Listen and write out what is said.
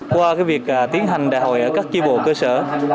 qua việc tiến hành đại hội ở các chi bộ cơ sở